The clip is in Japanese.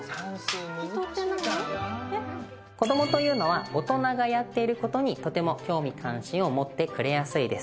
子どもというのは大人がやっている事にとても興味関心を持ってくれやすいです。